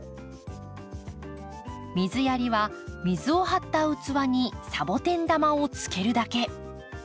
水やりは水を張った器にサボテン玉をつけるだけ。